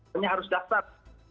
hanya harus dasar